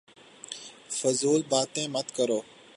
فضول باتیں مت کرو